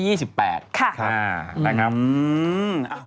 ค่ะครับไปครับอืมอ้าว